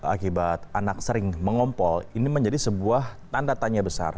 akibat anak sering mengompol ini menjadi sebuah tanda tanya besar